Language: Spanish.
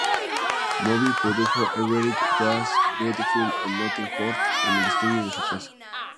Moby produjo "Everything Was Beautiful, and Nothing Hurt "en el estudio de su casa.